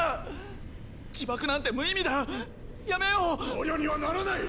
捕虜にはならない！